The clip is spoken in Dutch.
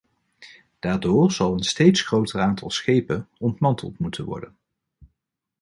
Daardoor zal een steeds groter aantal schepen ontmanteld moeten worden.